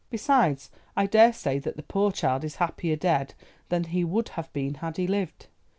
Besides I daresay that the poor child is happier dead than he would have been had he lived.